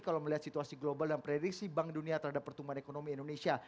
kalau melihat situasi global dan prediksi bank dunia terhadap pertumbuhan ekonomi indonesia